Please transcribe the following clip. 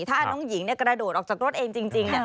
ถ้าน้องหญิงกระโดดออกจากรถเองจริง